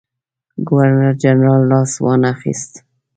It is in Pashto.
ګورنرجنرال لاس وانه خیست.